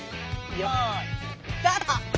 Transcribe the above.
よいスタート！